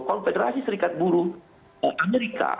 konfederasi serikat buru amerika